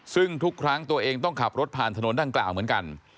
ซึ่งทุกครั้งตัวเองต้องขับรถผ่านถนนดังกล่าวเหมือนกัน